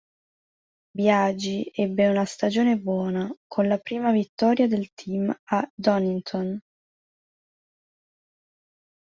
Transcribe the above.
Biagi ebbe una stagione buona, con la prima vittoria del team a Donington.